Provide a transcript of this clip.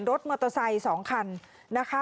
รถมอโตไซค์สองคันนะคะ